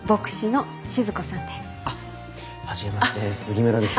あっ初めまして杉村です。